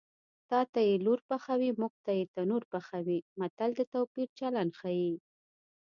تاته یې لور پخوي موږ ته یې تنور پخوي متل د توپیر چلند ښيي